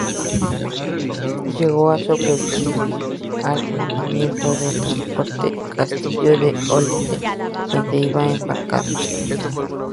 Llegó a sobrevivir al hundimiento del transporte "Castillo de Olite", donde iba embarcado.